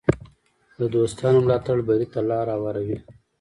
د دوستانو ملاتړ بری ته لار هواروي.